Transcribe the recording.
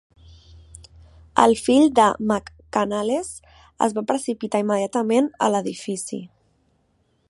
El fill de McCanles es va precipitar immediatament a l'edifici.